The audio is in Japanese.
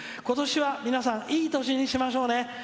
ことしは皆さんいい年にしましょうね！